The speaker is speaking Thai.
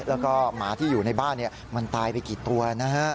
แล้วก็หมาที่อยู่ในบ้านมันตายไปกี่ตัวนะฮะ